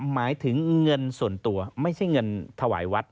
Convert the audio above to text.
หมายถึงเงินส่วนตัวไม่ใช่เงินถวายวัด